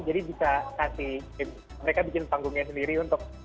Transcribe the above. jadi bisa kasih mereka bikin panggungnya sendiri untuk karya